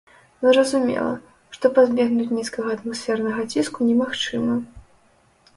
Зразумела, што пазбегнуць нізкага атмасфернага ціску немагчыма.